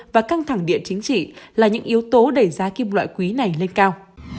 và căng thẳng địa chính trị là những yếu tố đẩy giá kim loại quý này lên cao